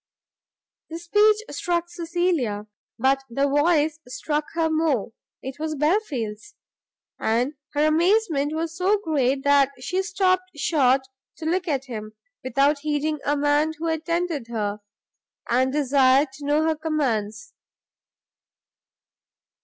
The speech struck Cecilia, but the voice struck her more, it was Belfield's! and her amazement was so great, that she stopt short to look at him, without heeding a man who attended her, and desired to know her commands.